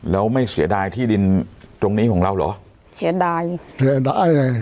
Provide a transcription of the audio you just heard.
แล้วไม่เสียดายที่ดินตรงนี้ของเราเหรอเสียดายเสียดายเลย